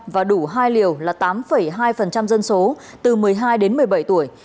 và đủ hai liều là tám hai dân số từ một mươi hai đến một mươi bảy tuổi